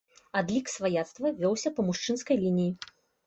Адлік сваяцтва вёўся па мужчынскай лініі.